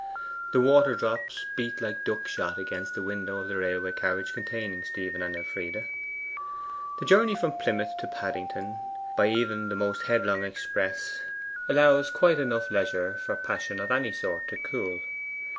The water drops beat like duck shot against the window of the railway carriage containing Stephen and Elfride. The journey from Plymouth to Paddington, by even the most headlong express, allows quite enough leisure for passion of any sort to cool.